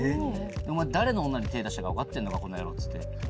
「お前誰の女に手出したか分かってんのかこの野郎」って。